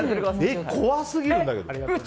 え、怖すぎるんだけど。